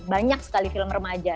banyak sekali film remaja